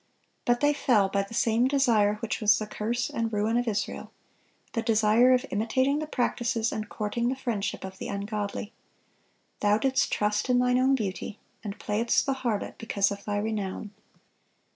(629) But they fell by the same desire which was the curse and ruin of Israel,—the desire of imitating the practices and courting the friendship of the ungodly. "Thou didst trust in thine own beauty, and playedst the harlot because of thy renown."